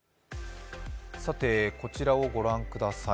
こちらをご覧くさい。